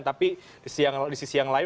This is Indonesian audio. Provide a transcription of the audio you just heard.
tapi di sisi yang lain